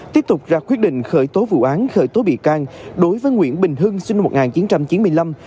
tiếp tục ra quyết định khởi tố vụ án khởi tố bị can đối với nguyễn bình hưng sinh năm một nghìn chín trăm chín mươi năm